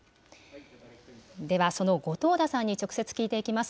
では、その後藤田さんに直接聞いていきます。